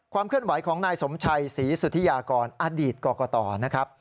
เคลื่อนไหวของนายสมชัยศรีสุธิยากรอดีตกรกตนะครับ